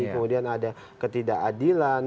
kemudian ada ketidakadilan